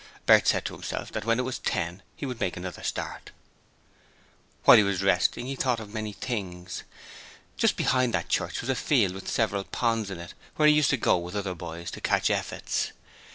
Bert said to himself that when it was ten he would make another start. Whilst he was resting he thought of many things. Just behind that church was a field with several ponds in it where he used to go with other boys to catch effets.